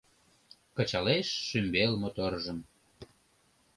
Кычалеш шӱмбел моторжым.